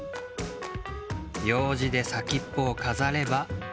ようじでさきっぽをかざれば。